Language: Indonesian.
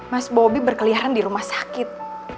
mas bobi berkeliaran di rumah sakit